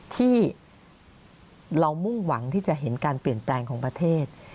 ที่เรามุ่งหวังที่จะเห็นการเปลี่ยนแปลงของประเทศ